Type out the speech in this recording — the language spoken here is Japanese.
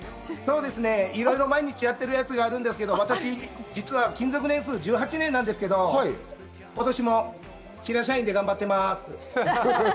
いろいろ毎日やってるやつがあるんですが私、実は勤続年数１８年なんですが、今年も平社員で頑張っています。